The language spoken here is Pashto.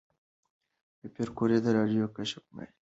پېیر کوري د راډیوم کشف پایله تایید کړه.